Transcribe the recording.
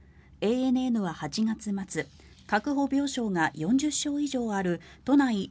ＡＮＮは８月末確保病床が４０床以上ある都内